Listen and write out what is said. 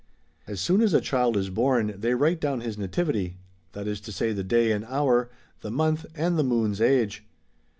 '^ As soon as a child is born they write down his nativity, that is to say the day and hour, the month, and the moon's age.